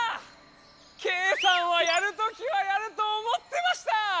ケイさんはやるときはやると思ってました！